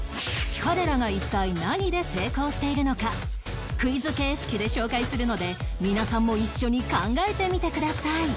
彼らが一体何で成功しているのかクイズ形式で紹介するので皆さんも一緒に考えてみてください